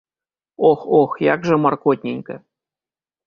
Ох, ох, як жа маркотненька!